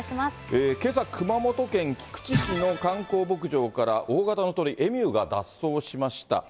けさ、熊本県菊池市の観光牧場から、大型の鳥、エミューが脱走しました。